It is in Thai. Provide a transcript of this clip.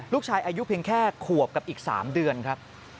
ลูกชายอายุเพียงแค่ขวบกับอีก๓เดือนครับ